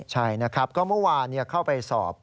ใช่นะครับก็เมื่อวานเข้าไปสอบ